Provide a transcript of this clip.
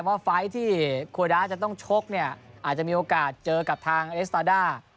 ไฟล์ที่โคดาจะต้องชกเนี่ยอาจจะมีโอกาสเจอกับทางเอสตาด้า